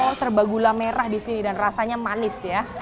saya serba gula merah di sini dan rasanya manis ya